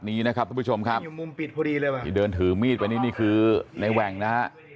นี้นะครับทุกผู้ชมครับที่เดินถือมีดไปนี่นี่คือในแหว่งนะฮะ